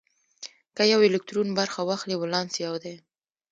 که یو الکترون برخه واخلي ولانس یو دی.